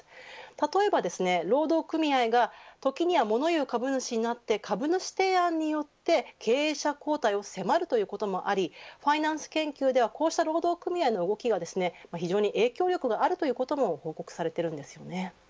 例えば労働組合が時には物言う株主として株主提案によって経営者交代を迫るということもありファイナンス研究ではこうした労働組合の動きが非常に影響力があるということも報告されているんです。